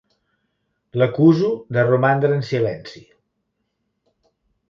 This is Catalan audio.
L'acuso de romandre en silenci.